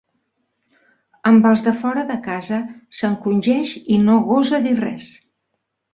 Amb els de fora de casa s'encongeix i no gosa dir res.